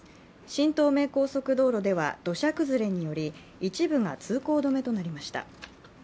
新東名高速道路では土砂崩れにより一部が通行止めとなりました。